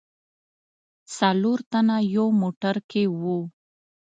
څلور تنه یو موټر کې و.